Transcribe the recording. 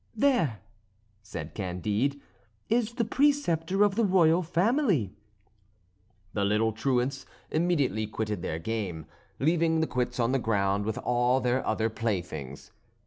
"There," said Candide, "is the preceptor of the royal family." The little truants immediately quitted their game, leaving the quoits on the ground with all their other playthings.